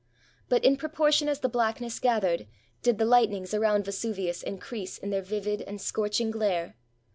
But in proportion as the blackness gathered, did the lightnings around Vesuvius increase in their vivid and scorching glare.